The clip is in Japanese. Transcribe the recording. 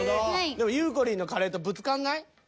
でもゆうこりんのカレーとぶつかんない？